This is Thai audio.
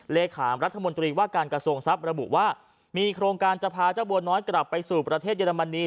เลขามรัฐมนตรีว่าการกระทรวงทรัพย์ระบุว่ามีโครงการจะพาเจ้าบัวน้อยกลับไปสู่ประเทศเยอรมนี